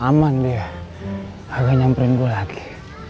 aman dia agak nyamperin gue lagi